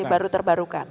energi baru terbarukan